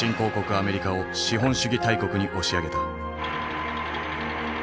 アメリカを資本主義大国に押し上げた。